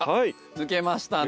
抜けましたね。